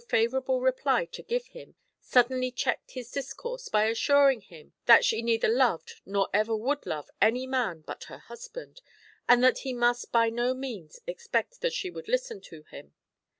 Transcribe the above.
favourable reply to give him, suddenly checked his discourse by assuring him that she neither loved nor ever would love any man but her husband, and that he must by no means expect that she would listen to him.